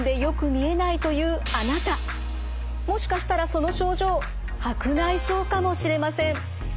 もしかしたらその症状白内障かもしれません。